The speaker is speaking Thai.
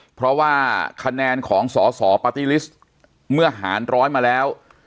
เพราะว่าคะแนนของสสปาร์ตี้ลิสต์เมื่อหารร้อยมาแล้ว